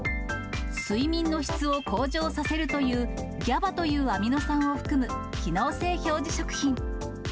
睡眠の質を向上させるというギャバというアミノ酸を含む機能性表示食品。